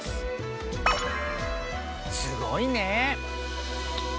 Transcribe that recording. すごいね。